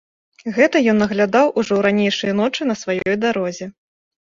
Гэта ён наглядаў ужо ў ранейшыя ночы на сваёй дарозе.